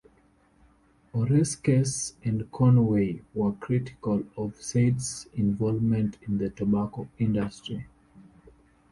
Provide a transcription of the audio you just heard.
Oreskes and Conway were critical of Seitz's involvement in the tobacco industry.